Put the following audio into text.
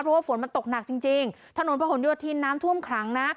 เพราะว่าฝนมันตกหนักจริงจริงถนนพระหลโยธินน้ำท่วมขังนะ